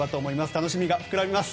楽しみが膨らみます。